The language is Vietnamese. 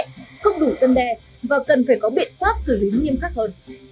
không đủ dân đe và cần phải có biện pháp xử lý nghiêm khắc hơn